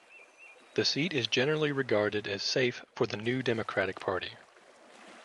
The seat is generally regarded as safe for the New Democratic Party.